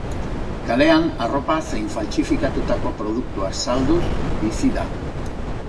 Kalean arropa zein faltsifikatutako produktuak salduz bizi da.